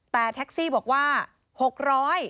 แต่แท็กซี่บอกว่าหกร้อย